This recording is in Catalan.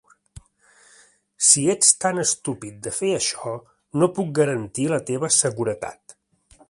Si ets tan estúpid de fer això, no puc garantir la teva seguretat.